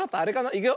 いくよ。